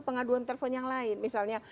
pengaduan telepon yang lain misalnya